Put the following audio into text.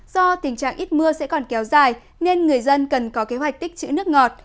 do tình trạng ít mưa sẽ còn kéo dài nên người dân cần có kế hoạch tích chữ nước ngọt